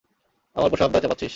আমার ওপর সব দায় চাপাচ্ছিস?